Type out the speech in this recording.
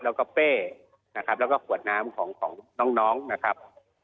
แล้วก็เป้นะครับแล้วก็ขวดน้ำของน้องนะครับ